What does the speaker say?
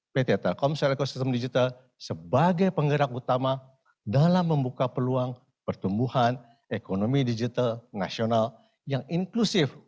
pt telkomsel ekosistem digital sebagai penggerak utama dalam membuka peluang pertumbuhan ekonomi digital nasional yang inklusif